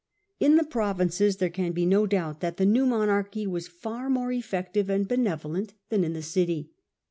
In the Provinces there can be no doubt that the new monarchy was far more effective and benevolent than in the City.